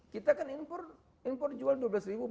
kita kan impor jual rp dua belas ribu